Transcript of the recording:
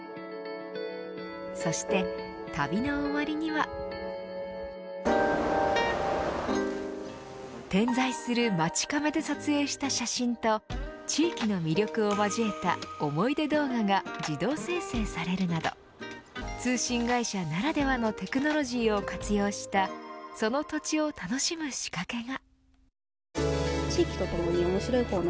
そして、旅の終わりには点在するマチカメで撮影した写真と地域の魅力を交えた思い出動画が自動生成されるなど通信会社ならではのテクノロジーを活用したその土地を楽しむ仕掛けが。